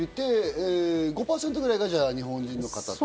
５％くらいが日本人の方？